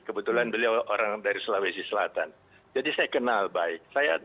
kebetulan beliau orang dari sulawesi selatan jadi saya kenal baik